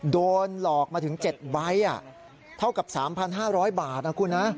โดนหลอกมาถึง๗ใบเท่ากับ๓๕๐๐บาทนะคุณนะ